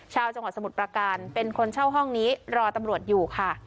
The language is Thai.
ชาวจังหวัดสมุทรประการเป็นคนเช่าห้องนี้รอตำรวจอยู่ค่ะ